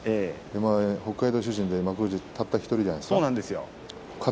北海道出身で幕内たった１人じゃないですか。